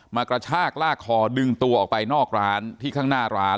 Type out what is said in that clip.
กระชากลากคอดึงตัวออกไปนอกร้านที่ข้างหน้าร้าน